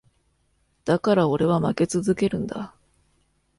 だから俺は負け続けるんだ。